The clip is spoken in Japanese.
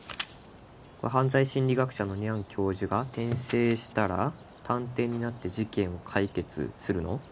犯罪心理学者のにゃん教授が転生したら探偵になって事件を解決するの？